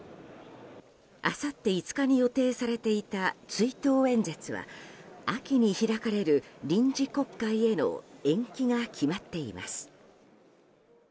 あさって５日に予定されていた追悼演説は秋に開かれる臨時国会への延期が決まっています。